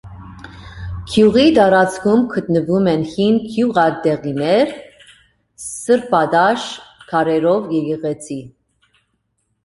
Գյուղի տարածքում գտնվում են հին գյուղատեղիներ, սրբատաշ քարերով եկեղեցի։